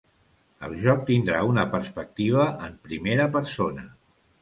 El joc tindrà una perspectiva en primera persona.